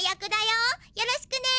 よろしくね！